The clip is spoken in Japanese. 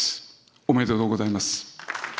おめでとうございます。